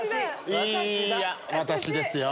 いや私ですよ。